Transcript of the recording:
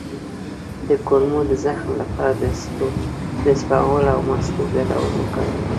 د کولمو د زخم لپاره د اسپغول او مستو ګډول وکاروئ